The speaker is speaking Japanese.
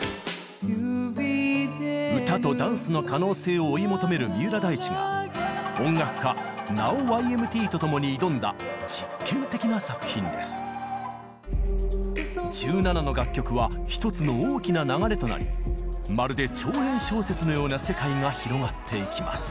歌とダンスの可能性を追い求める三浦大知が１７の楽曲はひとつの大きな流れとなりまるで長編小説のような世界が広がっていきます。